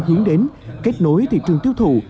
hướng đến kết nối thị trường tiêu thụ